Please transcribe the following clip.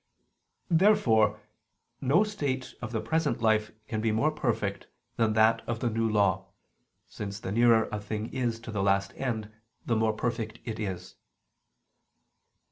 Therefore no state of the present life can be more perfect than that of the New Law, since the nearer a thing is to the last end the more perfect it is.